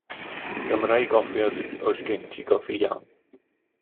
Gymra i goffi os oes gen ti goffi iawn.